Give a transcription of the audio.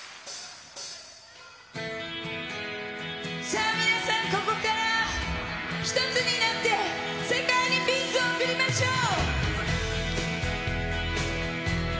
さあ、皆さん、ここから一つになって、世界にピースを送りましょう。